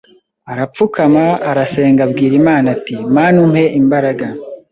arapfukama, arasenga abwira Imana ati : Mana umpe imbaraga